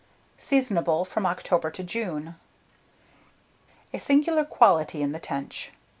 Seasonable from October to June. A SINGULAR QUALITY IN THE TENCH.